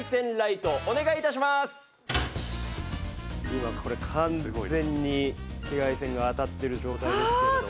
今これ完全に紫外線が当たってる状態ですけれども。